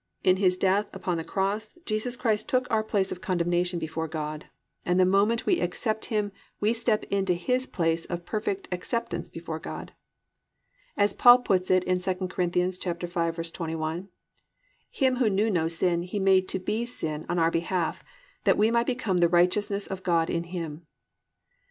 In His death upon the cross Jesus Christ took our place of condemnation before God, and the moment we accept Him we step into His place of perfect acceptance before God. As Paul puts it in 2 Cor. 5:21, +"Him who knew no sin He made to be sin on our behalf; that we might become the righteousness of God in Him."